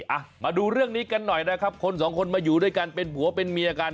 อ่ะมาดูเรื่องนี้กันหน่อยนะครับคนสองคนมาอยู่ด้วยกันเป็นผัวเป็นเมียกัน